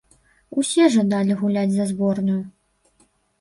Усе жадалі гуляць за зборную.